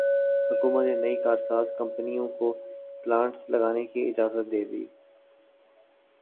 حکومت نے نئی کارساز کمپنیوں کو پلانٹس لگانے کی اجازت دیدی